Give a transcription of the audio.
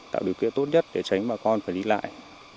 tạo điều kiện tốt nhất để tránh bà con phải đi lại